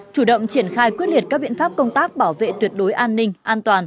chủ động triển khai quyết liệt các biện pháp công tác bảo vệ tuyệt đối an ninh an toàn